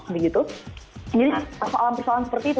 jadi soalan soalan seperti itu